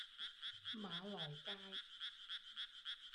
馬來街